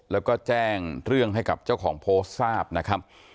แล้วก็แจ้งเรื่องให้กับเจ้าของโพสต์ทราบนะครับ